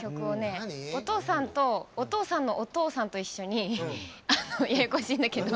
お父さんとお父さんのお父さんと一緒にややこしいんだけど。